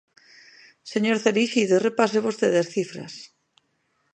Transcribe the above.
Señor Cereixido, repase vostede as cifras.